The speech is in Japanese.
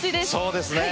そうですね。